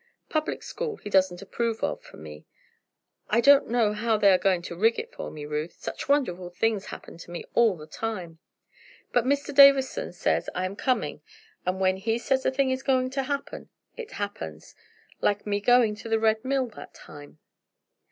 Public school he doesn't approve of for me. I don't know how they are going to 'rig' it for me, Ruth such wonderful things happen to me all the time! But Dr. Davison says I am coming, and when he says a thing is going to happen, it happens. Like my going to the Red Mill that time.